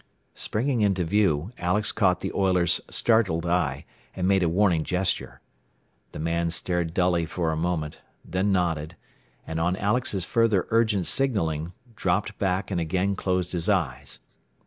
Springing into view, Alex caught the oiler's startled eye, and made a warning gesture. The man stared dully for a moment, then nodded, and on Alex's further urgent signalling, dropped back and again closed his eyes.